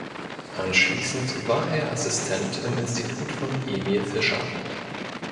Anschließend war er Assistent im Institut von Emil Fischer.